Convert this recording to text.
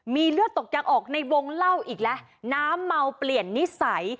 มีเลือดตกยังออกในวงเล่าอีกแล้วน้ำเมาเปลี่ยนนิสัย